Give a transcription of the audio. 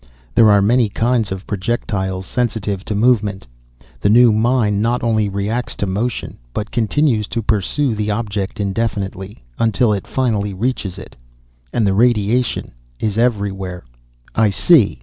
There are many kinds of projectiles sensitive to movement. The new mine not only reacts to motion, but continues to pursue the object indefinitely, until it finally reaches it. And the radiation is everywhere." "I see."